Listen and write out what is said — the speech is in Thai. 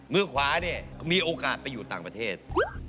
มือขวาเนี่ยมีโอกาสไปอยู่ต่างประเทศ